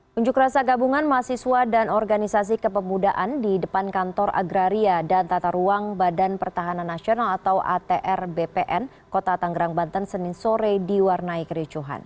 unjuk rasa gabungan mahasiswa dan organisasi kepemudaan di depan kantor agraria dan tata ruang badan pertahanan nasional atau atr bpn kota tanggerang banten senin sore diwarnai kericuhan